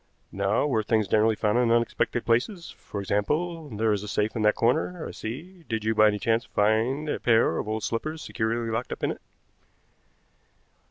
Now were things generally found in unexpected places? For example, there is a safe in that corner, I see; did you by any chance find a pair of old slippers securely locked up in it?"